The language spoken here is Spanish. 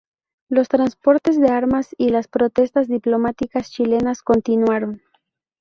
Los transportes de armas y las protestas diplomáticas chilenas continuaron.